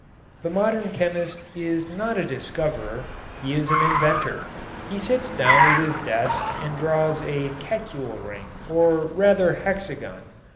The modern chemist is not a discoverer, he is an inventor. He sits down at his desk and draws a "Kekulé ring" or rather hexagon.